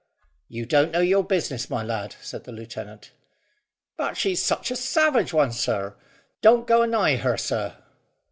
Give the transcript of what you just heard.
"You don't know your business, my lad," said the lieutenant. "But she's such a savage one, sir. Don't go anigh her, sir."